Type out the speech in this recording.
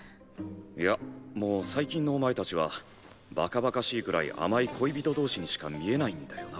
いやもう最近のお前たちはバカバカしいくらい甘い恋人同士にしか見えないんだよな。